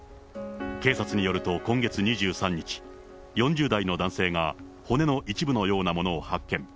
警察によると今月２３日、４０代の男性が、骨の一部のようなものを発見。